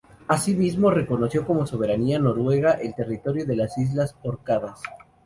Asimismo, reconoció como soberanía noruega el territorio de las islas Órcadas.